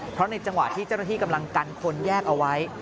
เพราะในจังหวะที่เจ้าหน้าที่กำลังกันคนแยกเอาไว้